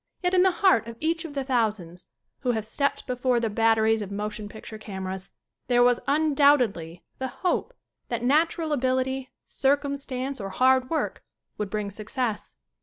Yet in the heart of each of the thousands, who have stepped before the batteries of mo tion picture cameras, there was undoubtedly the hope that natural ability, circumstance or hard work would bring success.